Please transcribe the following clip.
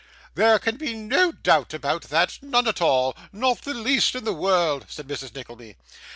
There can be no doubt about that; none at all; not the least in the world,' said Mrs Nickleby.